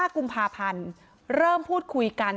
กุมภาพันธ์เริ่มพูดคุยกัน